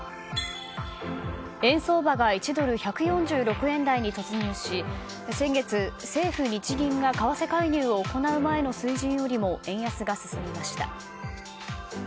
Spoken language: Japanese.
円相場が１ドル＝１４６円台に突入し先月、政府・日銀が為替介入を行う前の水準よりも円安が進みました。